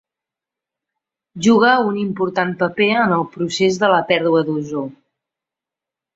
Juga un important paper en el procés de la pèrdua d'ozó.